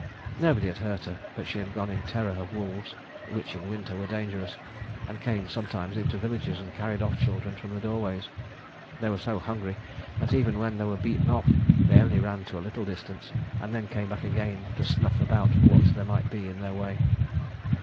Nobody had hurt her, but she had gone in terror of wolves, which in winter were dangerous, and came sometimes into the villages and carried off children from the doorways. They were so hungry that even when they were beaten off they only ran to a little distance, and then came back again to snuff about for what there might be in their way.